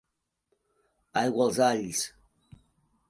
Aigua als alls!